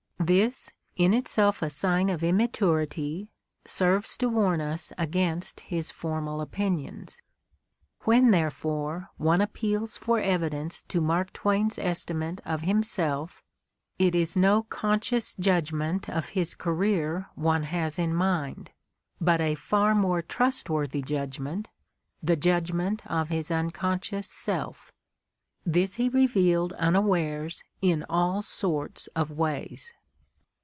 This, in itself a sign of immaturity, serves to warn us against his formal opinions. When, therefore, one appeals for evidence to Mark Twain's estimate of himself it is no conscious judgment of his career one has in mind but a far more trustworthy judgment, the judgment of his unconscious self. This he revealed unawares in all sorts of ways.